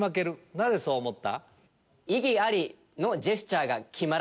なぜそう思った？